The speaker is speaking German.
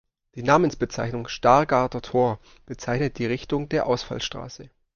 Die Namensbezeichnung „Stargarder Tor“ bezeichnet die Richtung der Ausfallstraße.